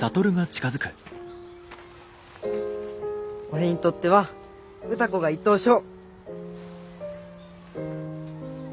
俺にとっては歌子が１等賞。